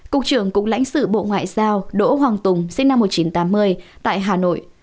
cục trưởng cục lãnh sự bộ ngoại giao đỗ hoàng tùng sinh năm một nghìn chín trăm tám mươi tại hà nội